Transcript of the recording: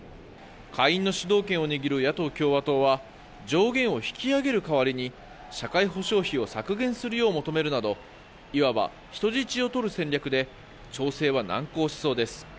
下院の主導権を握る野党・共和党は上限を引き上げる代わりに社会保障費を削減するよう求めるなどいわば人質を取る戦略で調整は難航しそうです。